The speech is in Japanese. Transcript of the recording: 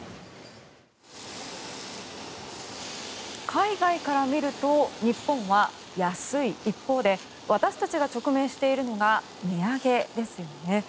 海外から見ると日本は安い一方で私たちが直面しているのが値上げですよね。